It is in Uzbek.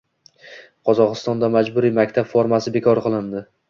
Qozog‘istonda majburiy maktab formasi bekor qilindi